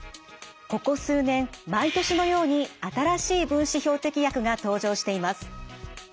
ここ数年毎年のように新しい分子標的薬が登場しています。